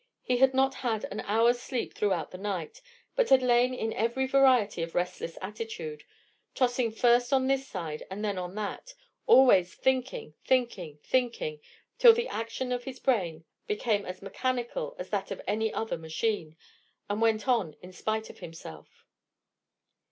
He had not had an hour's sleep throughout the night, but had lain in every variety of restless attitude, tossing first on this side and then on that: always thinking, thinking, thinking, till the action of his brain became as mechanical as that of any other machine, and went on in spite of himself.